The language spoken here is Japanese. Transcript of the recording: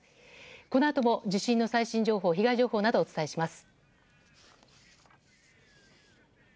このあとも地震の最新情報被害情報などをお伝えします。